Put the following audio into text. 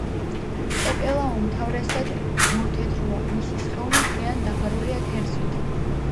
პეპელა უმთავრესად მოთეთროა, მისი სხეული მთლიანად დაფარულია ქერცლით.